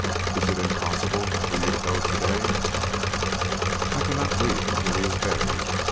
Is it impossible for you to go to day?" "I cannot leave him until he is buried.